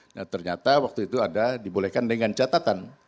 nah ternyata waktu itu ada dibolehkan dengan catatan